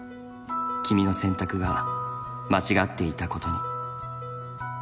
君の選択が間違っていたことに。